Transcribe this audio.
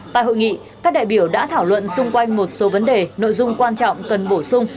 tại hội nghị các đại biểu đã thảo luận xung quanh một số vấn đề nội dung quan trọng cần bổ sung